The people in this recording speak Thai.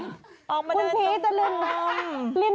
อ้อโคนพีทจะเดินกรม